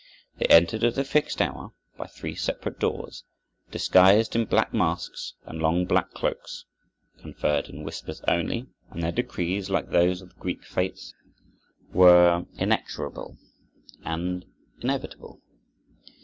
They entered at the fixed hour, by three separate doors, disguised in black masks and long black cloaks, conferred in whispers only, and their decrees, like those of the Greek Fates, were inexorable and inevitable.